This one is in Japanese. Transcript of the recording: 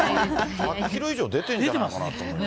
１００キロ以上出てるんじゃないかな。